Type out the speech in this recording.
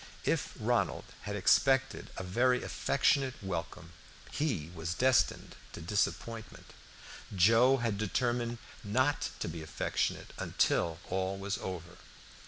If Ronald had expected a very affectionate welcome he was destined to disappointment; Joe had determined not to be affectionate until all was over.